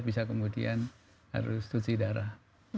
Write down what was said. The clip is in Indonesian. bisa kemudian harus cuci darah